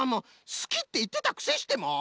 すきっていってたくせしてもう！